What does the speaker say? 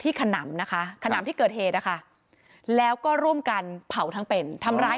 ขนำนะคะขนำที่เกิดเหตุนะคะแล้วก็ร่วมกันเผาทั้งเป็นทำร้าย